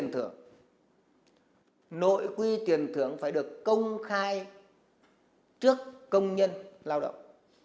nội quy tiền thưởng phải được công khai trước công nhân lao động